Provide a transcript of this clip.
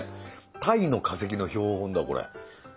鯛の化石の標本だこれ。